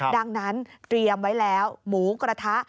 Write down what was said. ดังนั้นเตรียมไว้แล้วหมูกระทะ